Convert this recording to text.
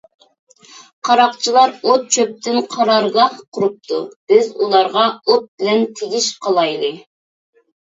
قاراقچىلار ئوت - چۆپتىن قارارگاھ قۇرۇپتۇ، بىز ئۇلارغا ئوت بىلەن تېگىش قىلايلى.